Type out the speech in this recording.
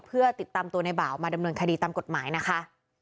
เพื่อติดตามตัวในบ่าวมาดำเนินคดีตามกฎหมายนะคะ